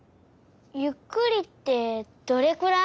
「ゆっくり」ってどれくらい？